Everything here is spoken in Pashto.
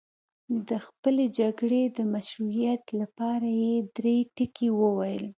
د خپلې جګړې د مشروعیت لپاره یې درې ټکي وویل.